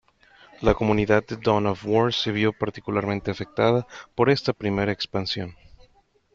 La comunidad de Dawn of War se vio particularmente afectada por esta primera expansión.